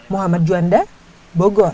mohamad juanda bogor